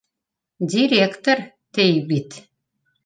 — Директор, ти бит